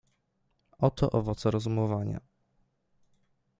"Oto owoce rozumowania."